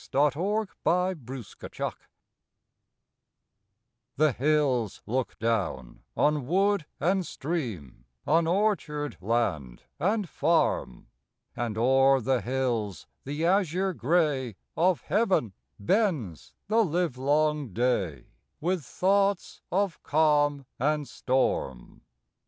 A ROSE O' THE HILLS The hills look down on wood and stream, On orchard land and farm; And o'er the hills the azure gray Of heaven bends the livelong day With thoughts of calm and storm.